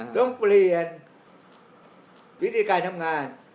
ต้องเปลี่ยนวิธีการทำงาน